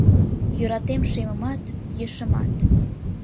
Йӧратем шемымат, ешымат.